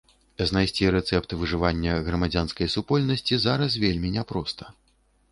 Знайсці рэцэпт выжывання грамадзянскай супольнасці зараз вельмі няпроста.